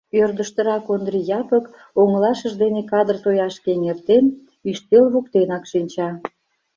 Ӧрдыжтырак Ондри Япык, оҥылашыж дене кадыр тояшке эҥертен, ӱстел воктенак шинча.